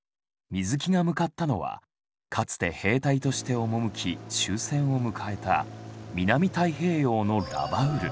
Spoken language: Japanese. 水木が向かったのはかつて兵隊として赴き終戦を迎えた南太平洋のラバウル。